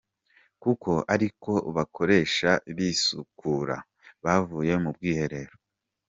Kuko ari ko bakoresha bisukura, bavuye mu bwiherero.